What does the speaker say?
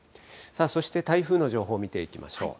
そして台風の情報見ていきましょう。